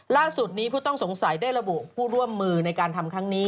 ล่าสุดนี้ผู้ต้องสงสัยได้ระบุผู้ร่วมมือในการทำครั้งนี้